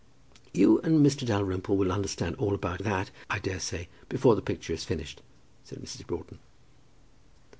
"You and Mr. Dalrymple will understand all about that, I daresay, before the picture is finished," said Mrs. Broughton.